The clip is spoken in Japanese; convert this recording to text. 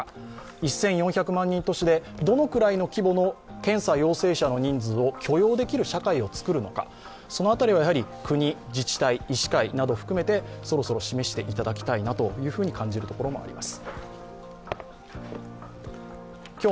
１４００万人都市でどのくらいの規模の検査陽性者の人数を許容できる社会をつくるのか、その辺りは国、自治体、医師会など含めてそろそろ示していただきたいなと感じるところもあります。